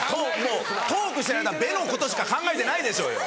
トークしてる間「ベ」のことしか考えてないでしょうよ。